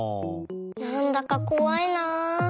なんだかこわいなあ。